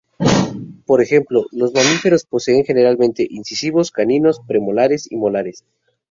Por ejemplo, los mamíferos poseen generalmente incisivos, caninos, premolares y molares.